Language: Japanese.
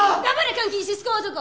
監禁シスコン男！